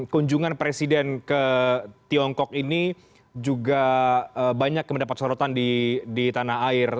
kunjungan presiden ke tiongkok ini juga banyak mendapat sorotan di tanah air